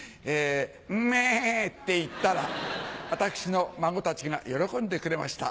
うメェって言ったら私の孫たちが喜んでくれました。